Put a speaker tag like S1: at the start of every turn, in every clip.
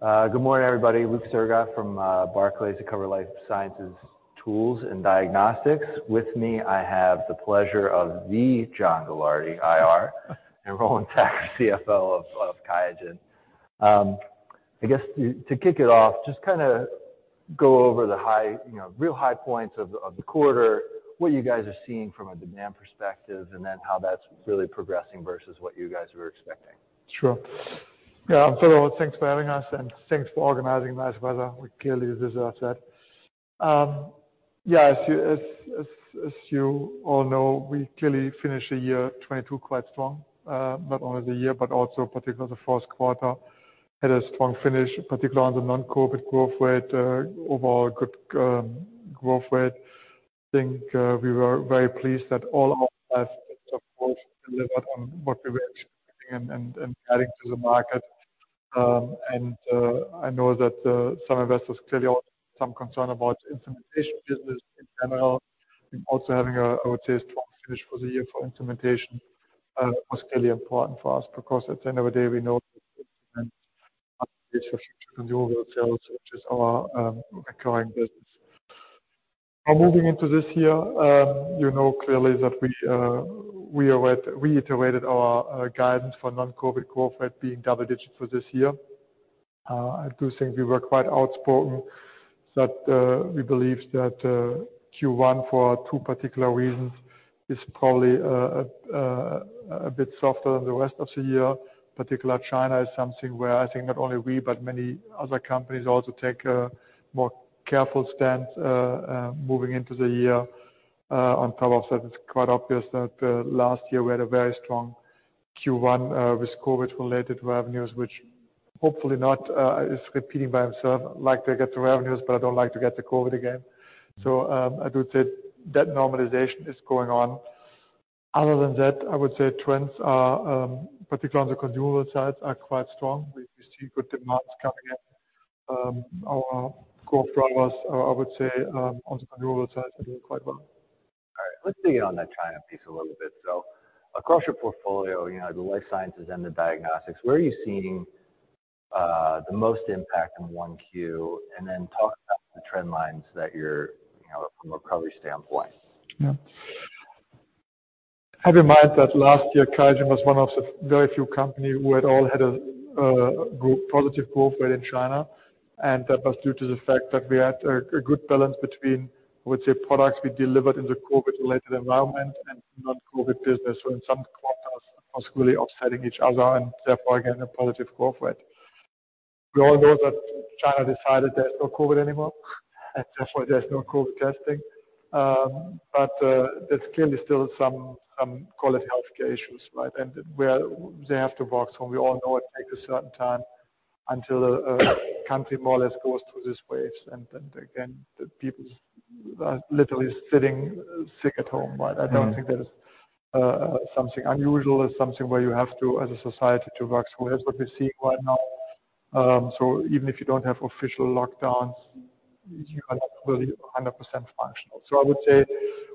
S1: Good morning, everybody. Luke Sergott from Barclays covering Life Sciences Tools and Diagnostics. With me, I have the pleasure of the John Gilardi, IR, and Roland Sackers, CFO of QIAGEN. I guess to kick it off, just kind of go over the real high points of the quarter, what you guys are seeing from a demand perspective, and then how that's really progressing versus what you guys were expecting.
S2: Sure. Yeah, first of all, thanks for having us, and thanks for organizing nice weather. We clearly deserve that. Yeah, as you all know, we clearly finished the year 2022 quite strong, not only the year, but also particularly the first quarter. We had a strong finish, particularly on the non-COVID growth rate, overall good growth rate. I think we were very pleased that all our best work was delivered on what we were expecting and adding to the market. And I know that some investors clearly had some concern about the instrumentation business in general. And also having a, I would say, a strong finish for the year for instrumentation was clearly important for us because at the end of the day, we know that instrumentation is for future consumables sales, which is our recurring business. Now, moving into this year, you know clearly that we reiterated our guidance for non-COVID growth rate being double-digit for this year. I do think we were quite outspoken that we believe that Q1, for two particular reasons, is probably a bit softer than the rest of the year. Particularly China is something where I think not only we, but many other companies also take a more careful stance moving into the year. On top of that, it's quite obvious that last year we had a very strong Q1 with COVID-related revenues, which hopefully not is repeating by itself. I'd like to get the revenues, but I don't like to get the COVID again. So I do think that normalization is going on. Other than that, I would say trends are, particularly on the consumer side, are quite strong. We see good demands coming in. Our growth drivers, I would say, on the consumer side are doing quite well.
S1: All right. Let's dig in on that China piece a little bit. So across your portfolio, the life sciences and the diagnostics, where are you seeing the most impact in 1Q? And then talk about the trend lines that you're seeing from a recovery standpoint.
S2: Yeah. I'd remind that last year, QIAGEN was one of the very few companies who had a positive growth rate in China. And that was due to the fact that we had a good balance between, I would say, products we delivered in the COVID-related environment and non-COVID business. So in some quarters, it was really offsetting each other and therefore again a positive growth rate. We all know that China decided there's no COVID anymore, and therefore there's no COVID testing. But there's clearly still some quality healthcare issues, right? And they have to work, so we all know it takes a certain time until a country more or less goes through these waves. And again, people are literally sitting sick at home, right? I don't think that is something unusual. It's something where you have to, as a society, work through. That's what we're seeing right now. So even if you don't have official lockdowns, you are not really 100% functional. So I would say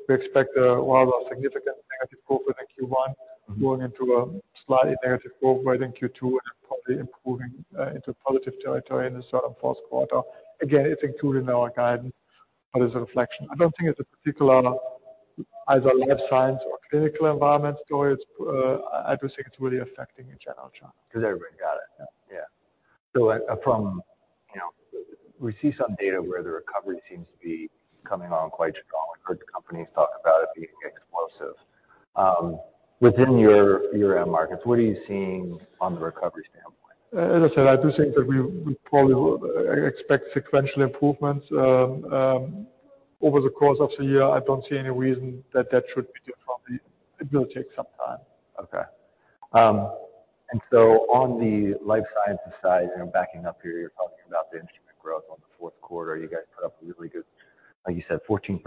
S2: we expect a rather significant negative growth rate in Q1, going into a slightly negative growth rate in Q2, and then probably improving into positive territory in the first quarter. Again, it's included in our guidance, but it's a reflection. I don't think it's a particular either life science or clinical environment story. I just think it's really affecting in general China.
S1: Because everybody got it. Yeah. So we see some data where the recovery seems to be coming on quite strong. We've heard companies talk about it being explosive. Within your end markets, what are you seeing on the recovery standpoint?
S2: As I said, I do think that we probably will expect sequential improvements over the course of the year. I don't see any reason that that should be different. It will take some time.
S1: Okay, and so on the life sciences side, backing up here, you're talking about the instrument growth on the fourth quarter. You guys put up a really good, like you said, 14%,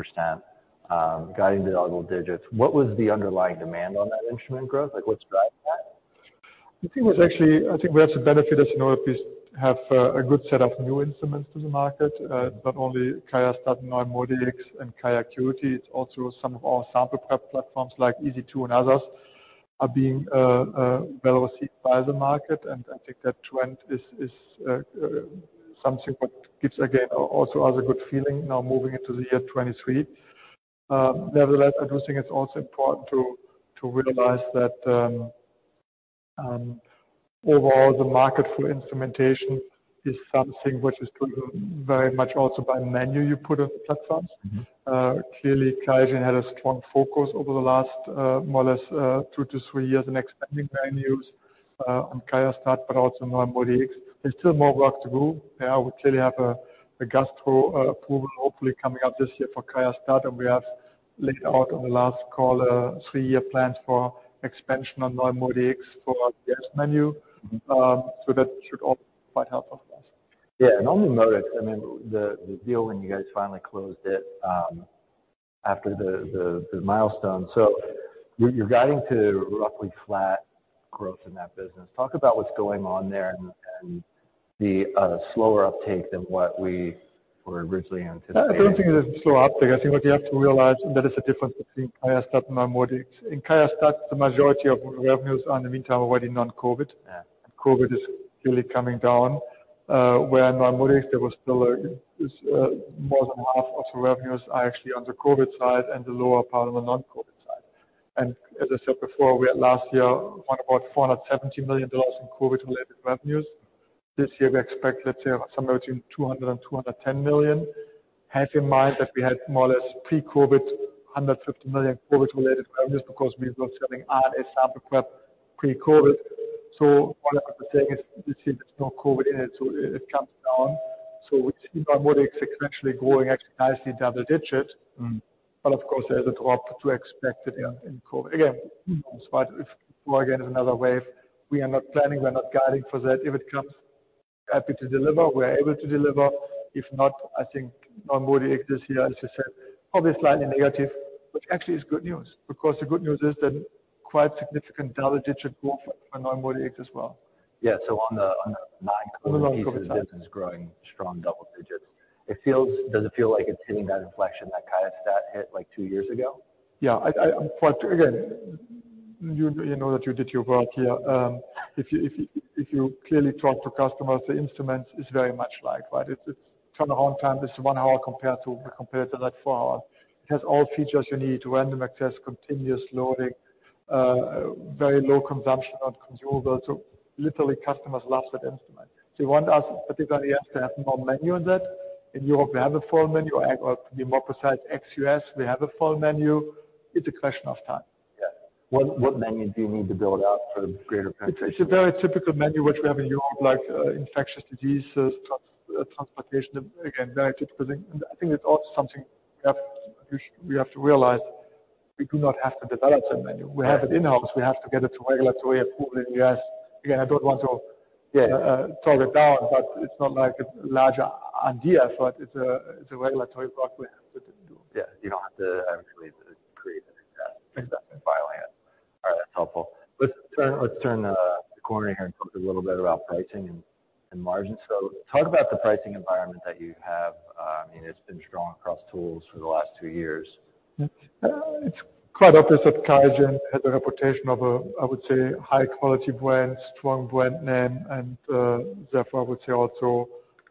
S1: guiding the low double digits. What was the underlying demand on that instrument growth? What's driving that?
S2: I think it was actually I think we have to benefit as our R&D has a good set of new instruments to the market, not only QIAGEN, QIAstat-Dx, NeuMoDx, and QIAcuity, it's also some of our sample prep platforms like EZ2 and others are being well received by the market, and I think that trend is something that gives, again, also us a good feeling now moving into the year 2023. Nevertheless, I do think it's also important to realize that overall the market for instrumentation is something which is driven very much also by the menu you put on the platforms. Clearly, QIAGEN had a strong focus over the last more or less two to three years in expanding menus on QIAstat-Dx, but also on NeuMoDx. There's still more work to do. I would clearly have a gastro approval hopefully coming up this year for QIAGEN, and we have laid out on the last call a three-year plan for expansion on NeuMoDx for the test menu. So that should all be quite helpful for us.
S1: Yeah, and on the NeuMoDx, I mean, the deal when you guys finally closed it after the milestone, so you're guiding to roughly flat growth in that business. Talk about what's going on there and the slower uptake than what we were originally anticipating.
S2: I don't think there's a slow uptake. I think what you have to realize is that there is a difference between QIAGEN, QIAstat-Dx, NeuMoDx. In QIAGEN, the majority of revenues are in the meantime already non-COVID. COVID is clearly coming down, whereas on NeuMoDx, there was still more than half of the revenues are actually on the COVID side and the lower part on the non-COVID side. And as I said before, last year we had about $470 million in COVID-related revenues. This year we expect, let's say, somewhere between $200 million and $210 million. Have in mind that we had more or less pre-COVID $150 million COVID-related revenues because we were selling RNA sample prep pre-COVID. So what I would be saying is this year there's no COVID in it, so it comes down. So we see NeuMoDx sequentially growing actually nicely double-digit, but of course there's a drop to expect it in COVID. Again, before again is another wave. We are not planning. We're not guiding for that. If it comes, we're happy to deliver. We're able to deliver. If not, I think non-NeuMoDx this year, as you said, probably slightly negative, which actually is good news because the good news is that quite significant double-digit growth for non-NeuMoDx as well.
S1: Yeah. So, on the non-COVID side of business, it's growing strong double digits. Does it feel like it's hitting that inflection that QIAGEN hit like two years ago?
S2: Yeah. Again, you know that you did your work here. If you clearly talk to customers, the instruments is very much like, right? It's turnaround time. It's one hour compared to like four hours. It has all features you need: random access, continuous loading, very low consumption on consumables. So literally customers love that instrument. They want us, particularly us, to have more menu in that. In Europe, we have a full menu, or to be more precise, ex-U.S. We have a full menu. It's a question of time.
S1: Yeah. What menu do you need to build out for greater?
S2: It's a very typical menu which we have in Europe, like infectious diseases, transplantation. Again, very typical thing, and I think it's also something we have to realize. We do not have to develop that menu. We have it in-house. We have to get it to regulatory approval in the U.S. Again, I don't want to talk it down, but it's not like a larger idea, but it's a regulatory work we have to do.
S1: Yeah. You don't have to actually create an exact filing. It all right. That's helpful. Let's turn the corner here and talk a little bit about pricing and margins. So talk about the pricing environment that you have. I mean, it's been strong across tools for the last two years.
S2: It's quite obvious that QIAGEN has a reputation of a, I would say, high-quality brand, strong brand name, and therefore I would say also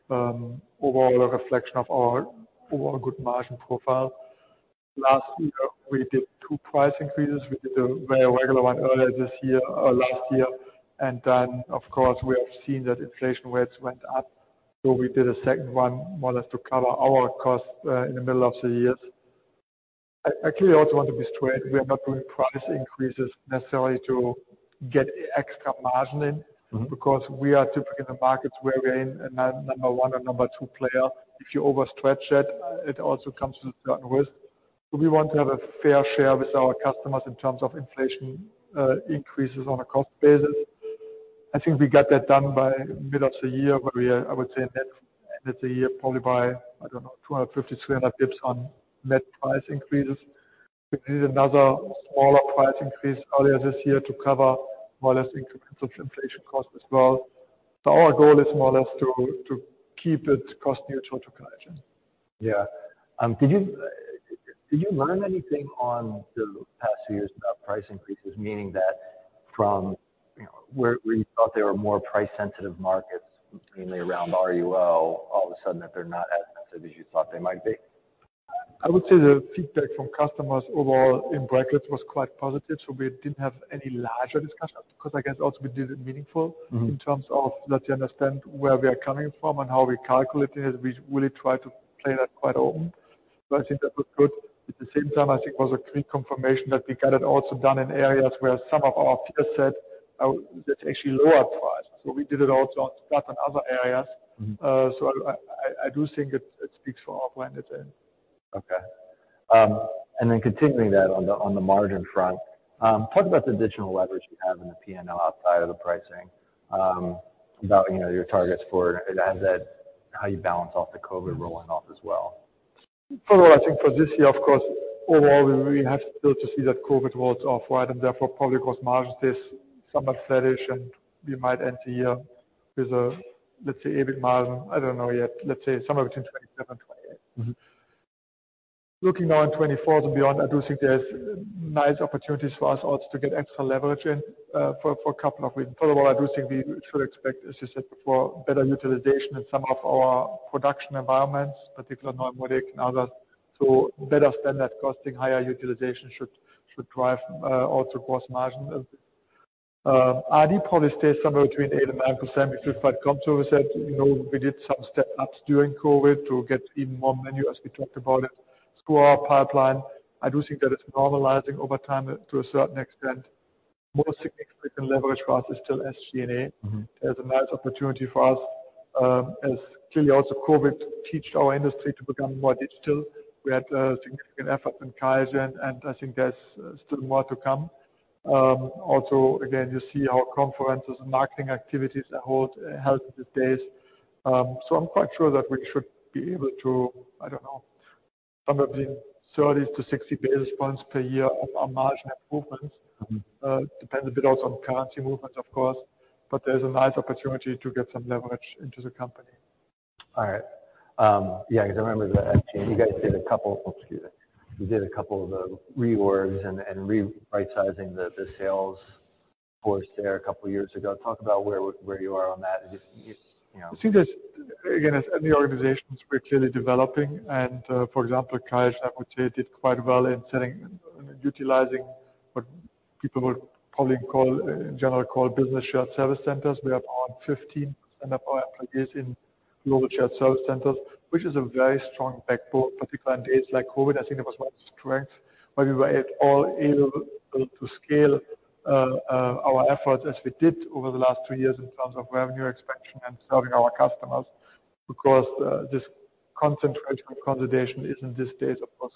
S2: overall a reflection of our overall good margin profile. Last year, we did two price increases. We did a very regular one earlier this year or last year. And then, of course, we have seen that inflation rates went up. So we did a second one more or less to cover our costs in the middle of the years. I clearly also want to be straight. We are not doing price increases necessarily to get extra margin in because we are typically in the markets where we're a number one or number two player. If you overstretch that, it also comes with a certain risk. So we want to have a fair share with our customers in terms of inflation increases on a cost basis. I think we got that done by middle of the year, where I would say net end of the year probably by, I don't know, 250-300 basis points on net price increases. We did another smaller price increase earlier this year to cover more or less increments of inflation cost as well. So our goal is more or less to keep it cost-neutral to QIAGEN.
S1: Yeah. Did you learn anything on the past few years about price increases, meaning that from where you thought there were more price-sensitive markets, mainly around RUO, all of a sudden that they're not as sensitive as you thought they might be?
S2: I would say the feedback from customers overall in brackets was quite positive. So we didn't have any larger discussions because I guess also we did it meaningful in terms of let's understand where we are coming from and how we calculated it. We really tried to play that quite open. So I think that was good. At the same time, I think it was a quick confirmation that we got it also done in areas where some of our peers said, "That's actually lower price." So we did it also on other areas. So I do think it speaks for our brand as well.
S1: Okay. And then continuing that on the margin front, talk about the additional leverage you have in the P&L outside of the pricing, about your targets for how you balance off the COVID rolling off as well.
S2: For the last thing for this year, of course, overall we have still to see that COVID rolls off, right? And therefore probably across margins there's some offset and we might end the year with a, let's say, EBIT margin, I don't know yet, let's say somewhere between 27%-28%. Looking now in 2024 and beyond, I do think there's nice opportunities for us also to get extra leverage in for a couple of reasons. First of all, I do think we should expect, as you said before, better utilization in some of our production environments, particularly non-NeuMoDx and others. So better standard costing, higher utilization should drive also gross margin. R&D probably stays somewhere between 8%-9%. We've just got to commit to, as I said, we did some step-ups during COVID to get even more menu as we talked about it. Through our pipeline, I do think that it's normalizing over time to a certain extent. Most significant leverage for us is still SG&A. There's a nice opportunity for us. As clearly also COVID teach our industry to become more digital. We had a significant effort in QIAGEN, and I think there's still more to come. Also, again, you see how conferences and marketing activities are held these days. So I'm quite sure that we should be able to, I don't know, somewhere between 30 to 60 basis points per year of our margin improvements. Depends a bit also on currency movements, of course, but there's a nice opportunity to get some leverage into the company.
S1: All right. Yeah. Because I remember that you guys did a couple of, excuse me, you did a couple of reorgs and re-right-sizing the sales force there a couple of years ago. Talk about where you are on that.
S2: I think there's, again, the organizations we're clearly developing, and for example, QIAGEN, I would say, did quite well in utilizing what people would probably call, in general, business shared service centers. We have around 15% of our employees in global shared service centers, which is a very strong backbone, particularly in days like COVID. I think it was one strength, but we were all able to scale our efforts as we did over the last two years in terms of revenue expansion and serving our customers because this concentration of consolidation is, in these days, of course,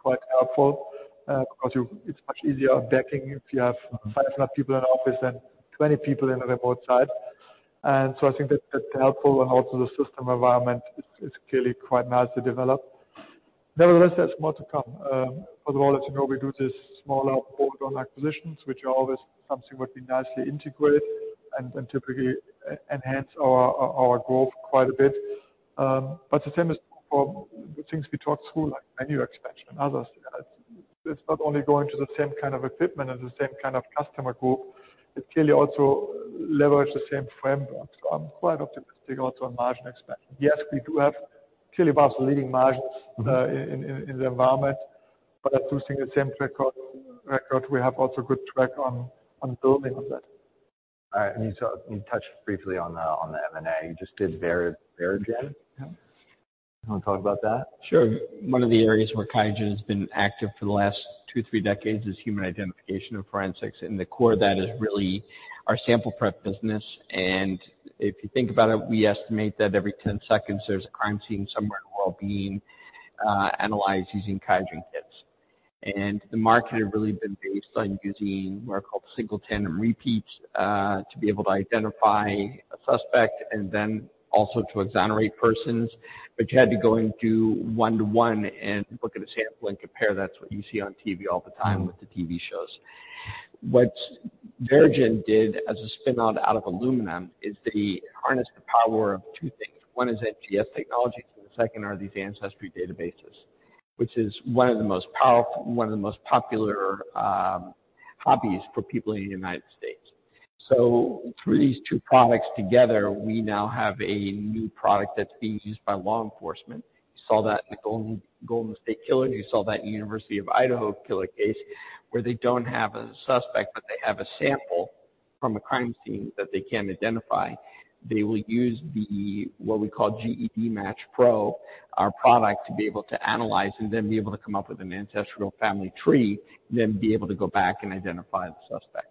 S2: quite helpful because it's much easier backing if you have 500 people in an office than 20 people in a remote site, and so I think that's helpful, and also the system environment is clearly quite nice to develop. Nevertheless, there's more to come. First of all, as you know, we do these smaller bolt-on acquisitions, which are always something which we nicely integrate and typically enhance our growth quite a bit. But the same is true for things we talked through like menu expansion and others. It's not only going to the same kind of equipment and the same kind of customer group. It clearly also leverages the same framework. So I'm quite optimistic also on margin expansion. Yes, we do have clearly the leading margins in the environment, but I do think the same record, we have also good track on building on that.
S1: All right. And you touched briefly on the M&A. You just did Verogen. Do you want to talk about that?
S3: Sure. One of the areas where QIAGEN has been active for the last two, three decades is human identification and forensics. And the core of that is really our sample prep business. And if you think about it, we estimate that every 10 seconds there's a crime scene somewhere in the world being analyzed using QIAGEN kits. And the market had really been based on using what are called short tandem repeats to be able to identify a suspect and then also to exonerate persons. But you had to go and do one-to-one and look at a sample and compare. That's what you see on TV all the time with the TV shows. What Verogen did as a spinout out of Illumina is they harnessed the power of two things. One is NGS technologies, and the second are these Ancestry databases, which is one of the most powerful, one of the most popular hobbies for people in the United States. So through these two products together, we now have a new product that's being used by law enforcement. You saw that in the Golden State Killer. You saw that in the University of Idaho killer case where they don't have a suspect, but they have a sample from a crime scene that they can identify. They will use what we call GEDmatch PRO, our product, to be able to analyze and then be able to come up with an ancestral family tree, then be able to go back and identify the suspect.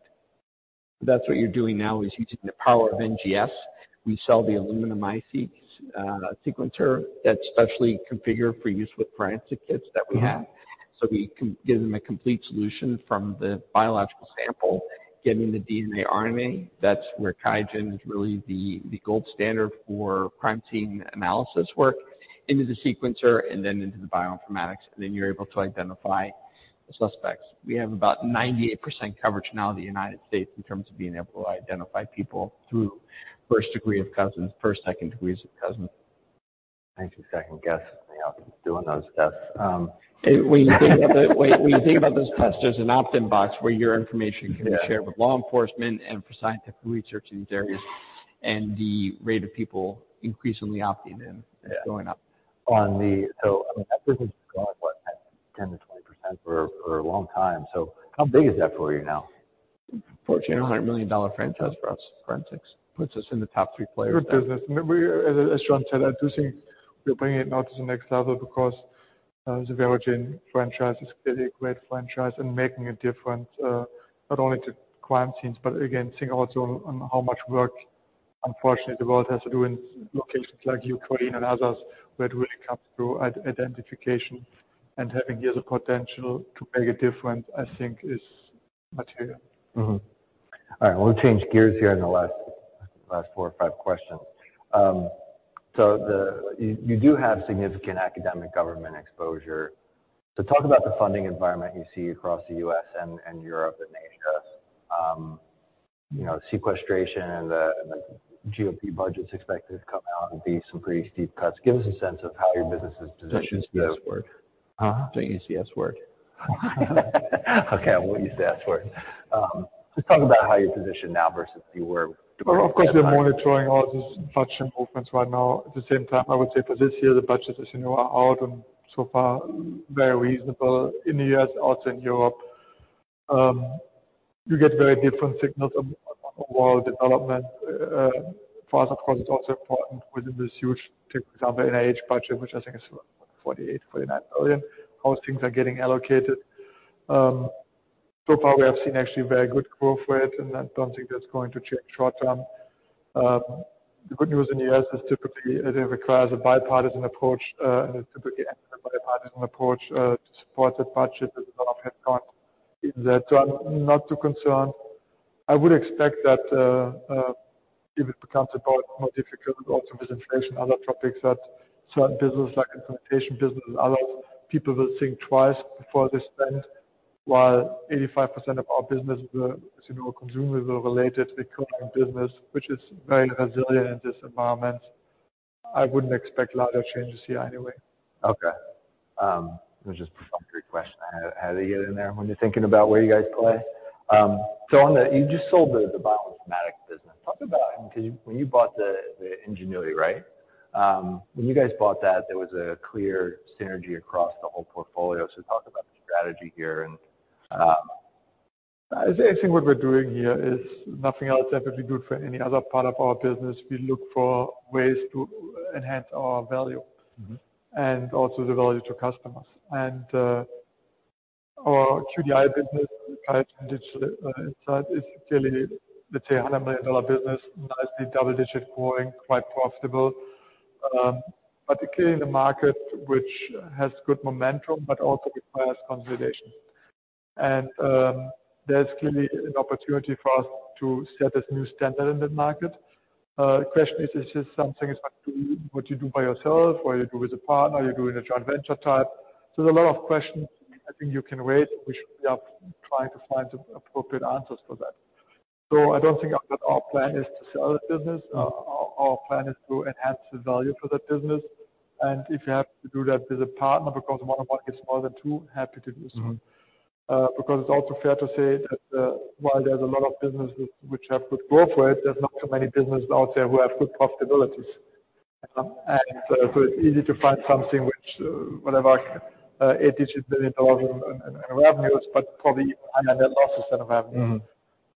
S3: That's what you're doing now is using the power of NGS. We sell the Verogen MiSeq sequencer that's specially configured for use with forensic kits that we have, so we can give them a complete solution from the biological sample, getting the DNA, RNA. That's where QIAGEN is really the gold standard for crime scene analysis work into the sequencer and then into the bioinformatics, and then you're able to identify the suspects. We have about 98% coverage now in the United States in terms of being able to identify people through first degree of cousins, first, second degrees of cousins.
S1: I think you're second guessing when you're doing those tests.
S3: When you think about those tests, there's an opt-in box where your information can be shared with law enforcement and for scientific research in these areas. And the rate of people increasingly opting in is going up.
S1: So I mean, that person's gone what, 10%-20% for a long time. So how big is that for you now?
S3: Fortunately, a $100 million franchise for us. Forensics puts us in the top three players.
S2: Good business. And as John said, I do think we're bringing it now to the next level because the Verogen franchise is clearly a great franchise and making a difference not only to crime scenes, but again, seeing also on how much work, unfortunately, the world has to do in locations like Ukraine and others where it really comes through identification and having years of potential to make a difference, I think, is material.
S1: All right. We'll change gears here in the last four or five questions. So you do have significant academic government exposure. So talk about the funding environment you see across the U.S. and Europe and Asia. Sequestration and the GOP budgets expected to come out and be some pretty steep cuts. Give us a sense of how your business is positioned to.
S3: Use the S word.
S1: Huh?
S3: Don't use the S word.
S1: Okay. I won't use the S word. Just talk about how you're positioned now versus if you were.
S2: Of course, we're monitoring all these inflation movements right now. At the same time, I would say for this year, the budget is out and so far very reasonable in the U.S., also in Europe. You get very different signals on overall development. For us, of course, it's also important within this huge, for example, NIH budget, which I think is $48 billion-$49 billion, how things are getting allocated. So far, we have seen actually very good growth rates, and I don't think that's going to change short term. The good news in the U.S. is typically it requires a bipartisan approach, and it typically ends with a bipartisan approach to support that budget. There's a lot of headcount in that. So I'm not too concerned. I would expect that if it becomes more difficult, also with inflation, other topics, that certain businesses like instrument business and others, people will think twice before they spend, while 85% of our business is consumables-related recurring business, which is very resilient in this environment. I wouldn't expect larger changes here anyway.
S1: Okay. It was just a perfunctory question. I had to get in there when you're thinking about where you guys play. So you just sold the bioinformatics business. Talk about when you bought the Ingenuity, right? When you guys bought that, there was a clear synergy across the whole portfolio. So talk about the strategy here.
S2: I think what we're doing here is nothing else that would be good for any other part of our business. We look for ways to enhance our value and also the value to customers. And our QDI business, QIAGEN Digital Insights, is clearly, let's say, a $100 million business, nicely double-digit growing, quite profitable. But clearly, the market, which has good momentum, but also requires consolidation. And there's clearly an opportunity for us to set this new standard in the market. The question is, is this something what you do by yourself, or you do with a partner, you do in a joint venture type? There's a lot of questions. I think you can wait. We should be trying to find appropriate answers for that. So I don't think that our plan is to sell that business. Our plan is to enhance the value for that business. And if you have to do that with a partner because one of one gets more than two, happy to do so. Because it's also fair to say that while there's a lot of businesses which have good growth rate, there's not too many businesses out there who have good profitabilities. And so it's easy to find something which, whatever, eight-digit million dollars in revenues, but probably higher net losses than revenues.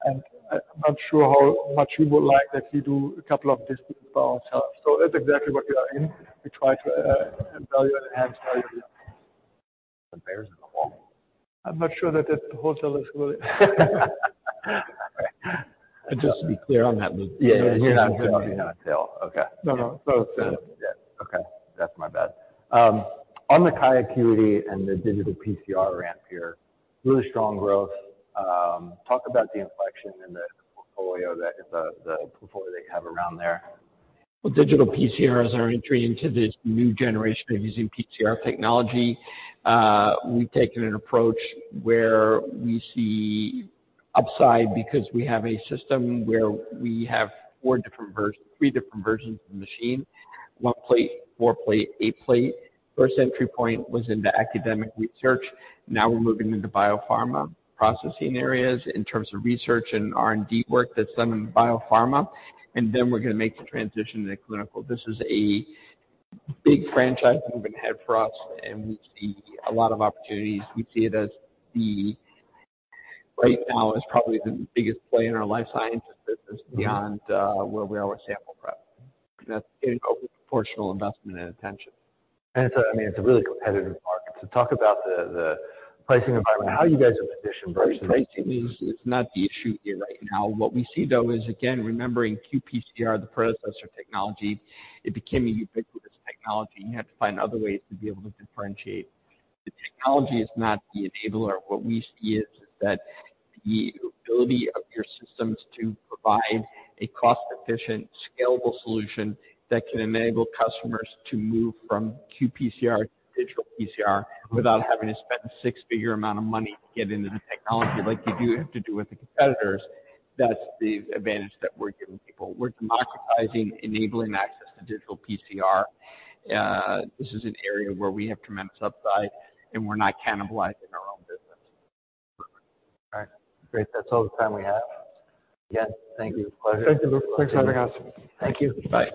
S2: And I'm not sure how much you would like that we do a couple of these things by ourselves. So that's exactly what we are in. We try to value and enhance value here.
S1: The bear's in the hole.
S2: I'm not sure that wholesale is really.
S1: Just to be clear on that, you're not in sales. Okay.
S2: No, no. No, it's sale.
S1: Okay. That's my bad. On the QIAGEN and the digital PCR ramp here, really strong growth. Talk about the inflection in the portfolio that you have around there.
S3: Digital PCR is our entry into this new generation of using PCR technology. We've taken an approach where we see upside because we have a system where we have three different versions of the machine: one plate, four plate, eight plate. First entry point was into academic research. Now we're moving into biopharma processing areas in terms of research and R&D work that's done in biopharma. And then we're going to make the transition to clinical. This is a big franchise moving ahead for us, and we see a lot of opportunities. We see it as the right now is probably the biggest play in our life sciences business beyond where we are with sample prep. That's getting overproportional investment and attention.
S1: And it's a really competitive market. So talk about the pricing environment, how you guys are positioned versus.
S3: Pricing is not the issue here right now. What we see, though, is, again, remembering qPCR, the predecessor technology, it became a ubiquitous technology. You had to find other ways to be able to differentiate. The technology is not the enabler. What we see is that the ability of your systems to provide a cost-efficient, scalable solution that can enable customers to move from qPCR to digital PCR without having to spend a six-figure amount of money to get into the technology like you do have to do with the competitors, that's the advantage that we're giving people. We're democratizing, enabling access to digital PCR. This is an area where we have tremendous upside, and we're not cannibalizing our own business.
S1: All right. Great. That's all the time we have. Again, thank you. Pleasure.
S2: Thank you, Luke. Thanks for having us.
S3: Thank you.
S1: Bye.